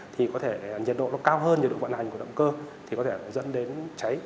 thì có thể nhiệt độ nó cao hơn nhiệt độ vận hành của động cơ thì có thể dẫn đến cháy